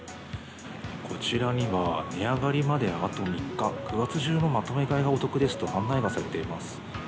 こちらには値上がりまであと３日９月中のまとめ買いがお得ですと案内がされています。